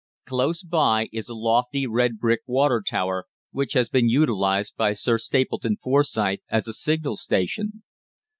Close by is a lofty red brick water tower, which has been utilised by Sir Stapleton Forsyth as a signal station.